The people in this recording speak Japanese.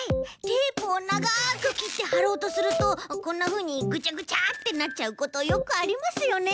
テープをながくきってはろうとするとこんなふうにぐちゃぐちゃってなっちゃうことよくありますよね。